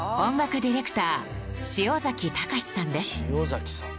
ディレクター塩崎喬さんです。